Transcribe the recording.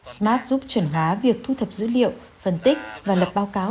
smart giúp chuẩn hóa việc thu thập dữ liệu phân tích và lập báo cáo